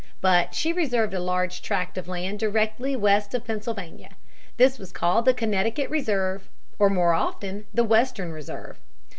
But she reserved a large tract of land directly west of Pennsylvania. This was called the Connecticut Reserve or, more often, the Western Reserve.